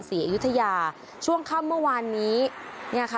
สีอยุทยาช่วงข้ามเมื่อวานนี้เนี้ยค่ะ